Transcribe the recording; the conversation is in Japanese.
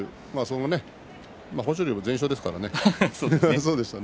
豊昇龍も全勝ですからね。